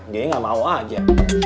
dia nggak mau aja